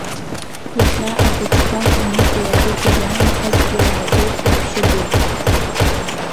Иахьа ахәыҷқәа аныдеи абыдеи иаанхаз илааӡоит раҳәшьаду.